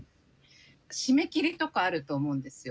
締め切りとかあると思うんですよ。